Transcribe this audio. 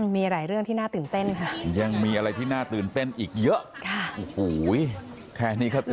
มีหลายเรื่องที่น่าตื่นเต้นค่ะยังมีอะไรที่น่าตื่นเต้นอีกเยอะ